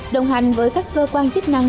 đồng hành với các cơ quan chức năng